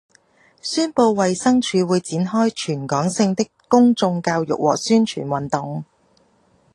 宣布衞生署會展開全港性的公眾教育和宣傳運動